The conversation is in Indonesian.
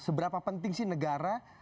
seberapa penting sih negara